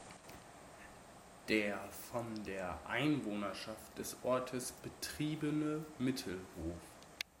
Der von der Einwohnerschaft des Ortes betriebene "Mittelhof".